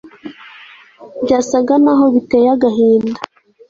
Byasaga naho biteye agahinda